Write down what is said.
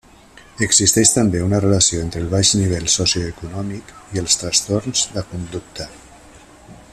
Existeix també una relació entre el baix nivell socioeconòmic i els trastorns de conducta.